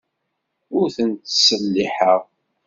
Ur ten-ttselliḥeɣ.